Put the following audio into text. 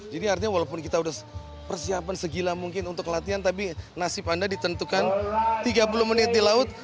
jadi artinya walaupun kita udah persiapan segila mungkin untuk latihan tapi nasib anda ditentukan tiga puluh menit di laut